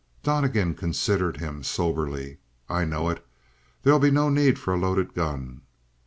Donnegan considered him soberly. "I know it. There'll be no need for a loaded gun."